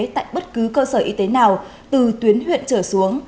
tại bất cứ cơ sở y tế nào từ tuyến huyện trở xuống